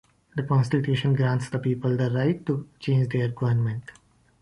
The constitution grants the people the right to change their government.